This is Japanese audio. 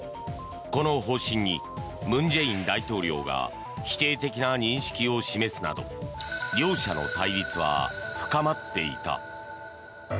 この方針に、文在寅大統領が否定的な認識を示すなど両者の対立は深まっていた。